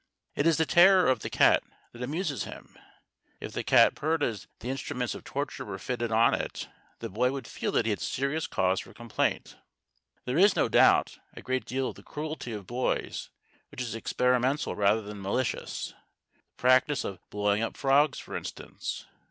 It is the terror of the cat that amuses him. If the cat purred as the instruments of torture were fitted on to it the boy would feel that he had serious cause for complaint. There is, no doubt, a great deal of the cruelty of boys which is experimental rather than malicious the practice of blowing up frogs, for instance.